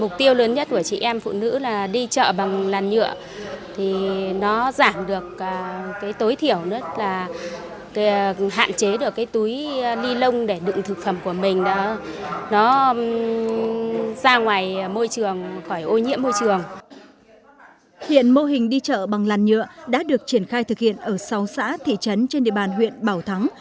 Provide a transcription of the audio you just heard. hiện mô hình đi chợ bằng làn nhựa đã được triển khai thực hiện ở sáu xã thị trấn trên địa bàn huyện bảo thắng